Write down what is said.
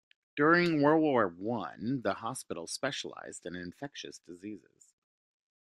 During World War One, the hospital specialised in infectious diseases.